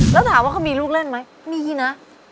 แล้วถามว่าเขามีลูกเล่นไหมมีนะ